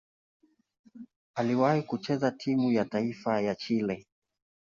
Aliwahi kucheza timu ya taifa ya Chile.